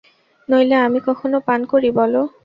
নইলে, আমি কখনো পান করি বলো?